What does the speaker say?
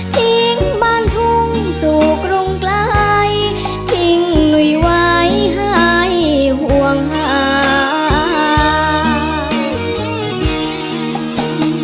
ทิ้งบ้านทุ่งสู่กรุงไกลทิ้งหนุ่ยไว้ให้ห่วงหาย